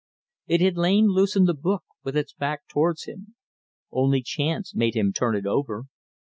It had lain loose in the book, with its back towards him. Only chance made him turn it over.